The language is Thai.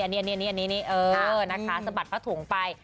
นี่อันนี้สะบัดพระถุงไป